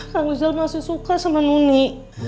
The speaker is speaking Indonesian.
kang ujal masih suka sama nuni